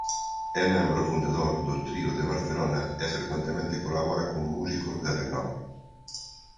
É membro fundador do Trío de Barcelona e frecuentemente colabora con músicos de renome.